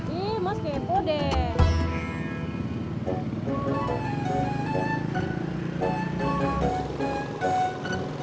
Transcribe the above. ih mas kepo deh